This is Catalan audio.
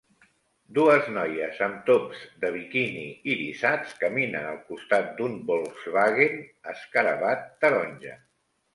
Dues noies amb tops de biquini irisats caminen al costat d'un Volkswagen Escarabat taronja.